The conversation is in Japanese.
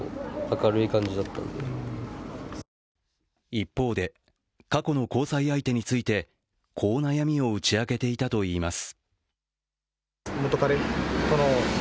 一方で、過去の交際相手についてこう悩みを打ち明けていたといいます。